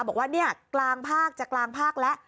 บอกว่าเนี่ยกลางภาคจะกลางภาคแล้ว